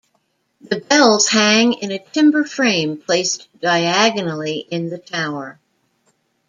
The bells hang in a timber frame placed diagonally in the tower.